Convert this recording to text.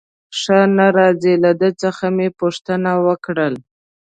ښه نه راځي، له ده څخه مې پوښتنه وکړل.